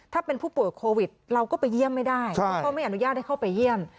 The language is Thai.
ถ้าเป็นผู้ป่วยโควิดเราก็ไปเยี่ยมไม่ได้เพราะเขาไม่อนุญาตให้เข้าไปเยี่ยม